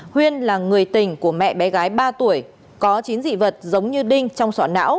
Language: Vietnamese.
huyên là người tình của mẹ bé gái ba tuổi có chín dị vật giống như đinh trong sọ não